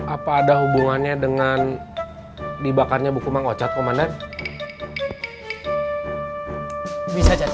apa ada hubungannya dengan dibakarnya buku mangkocat komandan bisa jadi